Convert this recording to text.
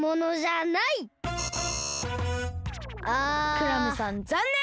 クラムさんざんねん。